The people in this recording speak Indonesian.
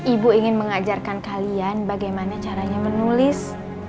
ibu ingin mengajarkan kalian bagaimana caranya menulis